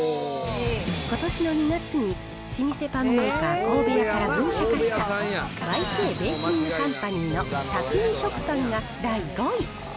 ことしの２月に、老舗パンメーカー、神戸屋から分社化した、ＹＫベーキングカンパニーの匠水食パンが第５位。